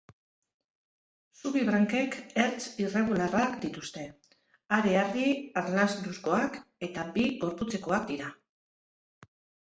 Zubi-brankek ertz irregularrak dituzte, hareharri-harlanduzkoak, eta bi gorputzekoak dira.